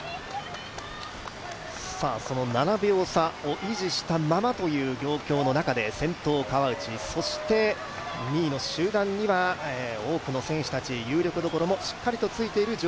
その７秒差を維持したままという状況の中で先頭・川内、そして２位の集団には多くの選手たち、有力どころもしっかりついています。